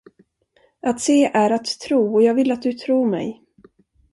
Att se är att tro och jag vill att du tror mig.